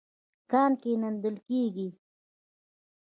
کان کيندل کېږي.